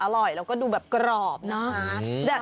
อร่อยดูก็แบบกรอบนะ